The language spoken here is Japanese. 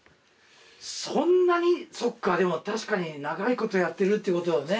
そっかでも確かに長いことやってるってことはね。